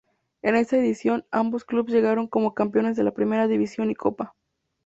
En esta edición, ambos clubes llegaron como campeones de la primera división y copa.